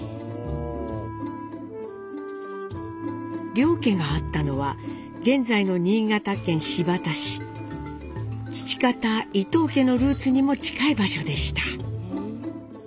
両家があったのは現在の父方伊藤家のルーツにも近い場所でした。